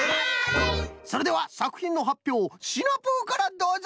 それではさくひんのはっぴょうシナプーからどうぞ！